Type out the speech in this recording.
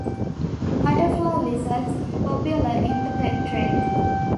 Butterfly lizards are popular in the pet trade.